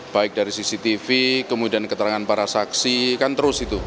baik dari cctv kemudian keterangan para saksi kan terus itu